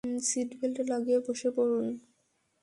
Seat belt লাগিয়ে বসে পড়ুন!